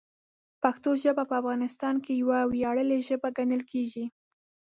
پښتو ژبه په افغانستان کې یوه ویاړلې ژبه ګڼل کېږي.